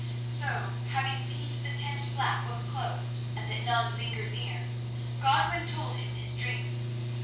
So, having seen that the tent flap was closed and that none lingered near, Godwin told him his dream.